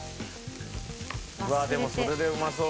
うわでもそれでうまそう。